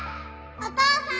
お父さん！